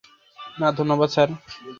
না ধন্যবাদ, স্যার।